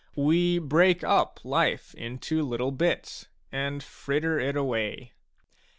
We break up life into little bits, and fritter it away.